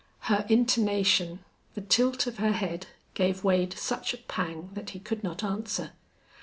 Her intonation, the tilt of her head, gave Wade such a pang that he could not answer.